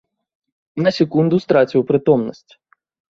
На секунду страціў прытомнасць.